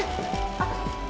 あっ